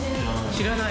知らない？